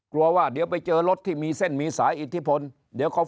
กลัวว่าเดี๋ยวไปเจอรถที่มีเส้นมีสายอิทธิพลเดี๋ยวเขา